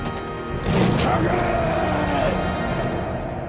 かかれ！